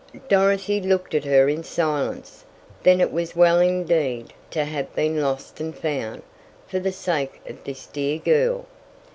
Dorothy looked at her in silence. Then it was well indeed to have been lost and found, for the sake of this dear girl!